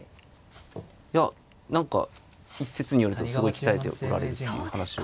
いや何か一説によるとすごい鍛えておられるっていう話を。